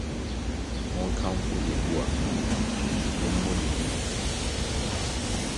Monkamfo Yehowa, mommɔ ne din.